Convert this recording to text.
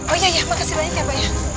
oh iya iya makasih banyak ya pak ya